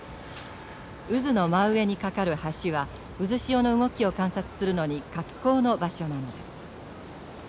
渦の真上に架かる橋は渦潮の動きを観察するのに格好の場所なんです。